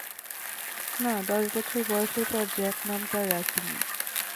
না, দশ বছর বয়সের পর জ্যাক নামটা আর রাখিনি।